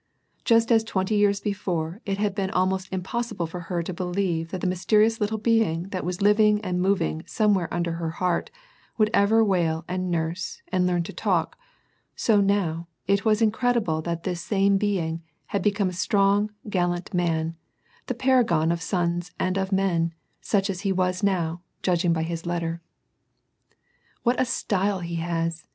Just as twenty years before it had been almost impossible for her to believe that the mysterious little being that was living and moving somewhere under her heart would ever wail and nurse and learn to talk, so now, it was incredible that this same being had become a strong, gallant man, the paragon of sons and of men, such as he was now, judging by his letter. "What a style he has